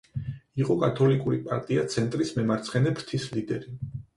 იყო კათოლიკური პარტია „ცენტრის“ მემარცხენე ფრთის ლიდერი.